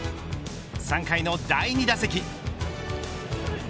３回の第２打席。